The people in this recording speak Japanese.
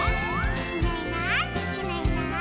「いないいないいないいない」